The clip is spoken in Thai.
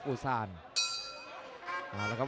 หัวจิตหัวใจแก่เกินร้อยครับ